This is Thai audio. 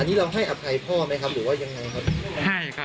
อันนี้เราให้อภัยพ่อไหมครับหรือว่ายังไงครับ